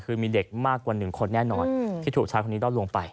คือมีเด็กมากกว่า๑คนแน่นอนที่ถูกชายคนนี้ด้อนลงไป